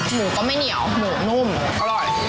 หมูก็ไม่เหนียวหมูนุ่มอร่อย